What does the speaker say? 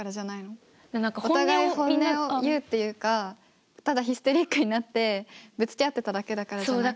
お互い本音を言うっていうかただヒステリックになってぶつけ合ってただけだからじゃない？